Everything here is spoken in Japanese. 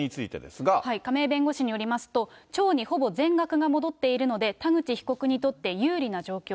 亀井弁護士によりますと、町にほぼ全額が戻っているので、田口被告にとって有利な状況。